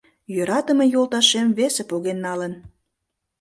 Йӧратыме йолташем весе поген налын